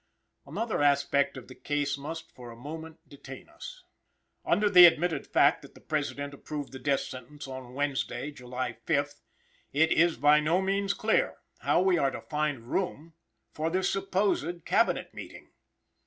Another aspect of the case must for a moment detain us. Under the admitted fact that the President approved the death sentence on Wednesday, July 5th, it is by no means clear how we are to find room for this supposed Cabinet meeting.